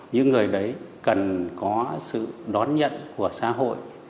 những người đấy cần có sự đón nhận của xã hội